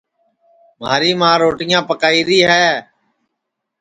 مھاری ماں روٹیاں پکائیری ہے